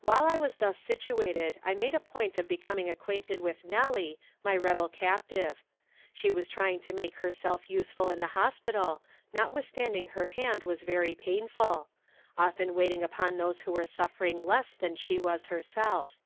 While I was thus situated I made a point of becoming acquainted with Nellie, my rebel captive. She was trying to make herself useful in the hospital, notwithstanding her hand was very painful often waiting upon those who were suffering less than she was herself.